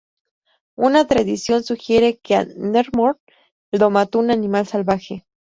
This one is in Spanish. Una tradición sugiere que a Nemrod lo mató un animal salvaje.